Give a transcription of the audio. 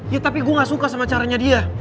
ya tapi gue gak suka sama caranya dia